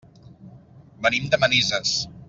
Venim de Manises.